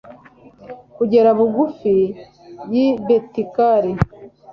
kugera bugufi y'i betikari